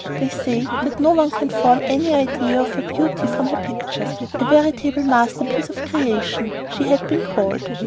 They say that no one can form any idea of her beauty from her pictures. "A veritable masterpiece of creation," she had been called.